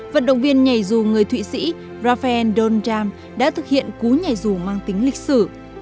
vận động viên nhảy dù người thụy sĩ rafael don tram đã thực hiện cú nhảy dù mang tính lịch sử